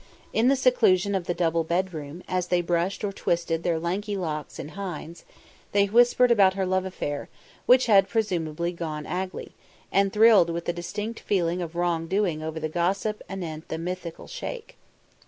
In the seclusion of the double bedroom, as they brushed or twisted their lanky locks in Hindes', they whispered about her love affair, which had presumably gone agley, and thrilled with a distinct feeling of wrong doing over the gossip anent the mythical Sheikh.